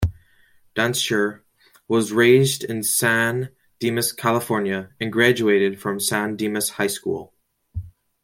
Dantzscher was raised in San Dimas, California, and graduated from San Dimas High School.